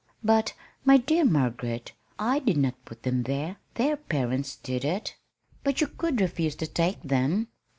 "But, my dear Margaret, I did not put them there. Their parents did it." "But you could refuse to take them."